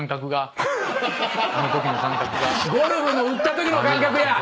ゴルフの打ったときの感覚や！